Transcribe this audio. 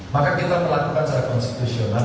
maka kita melakukan secara konstitusional